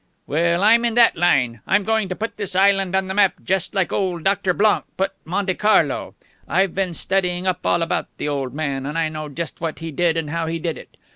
"Well, I'm in that line. I'm going to put this island on the map just like old Doctor Blonk put Monte Carlo. I've been studying up all about the old man, and I know just what he did and how he did it.